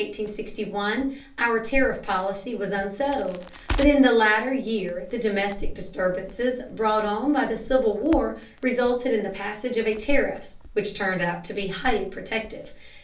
Between 1842 and 1861 our tariff policy was unsettled, but in the latter year the domestic disturbances brought on by the Civil War resulted in the passage of a tariff which turned out to be highly protective.